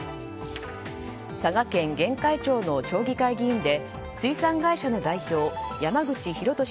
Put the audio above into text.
佐賀県玄海町の町議会議員で水産会社の代表山口寛敏